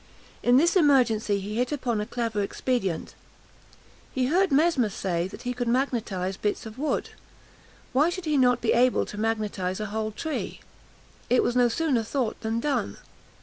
In this emergency he hit upon a clever expedient. He had heard Mesmer say that he could magnetise bits of wood: why should he not be able to magnetise a whole tree? It was no sooner thought than done.